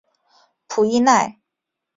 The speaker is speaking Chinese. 普伊奈。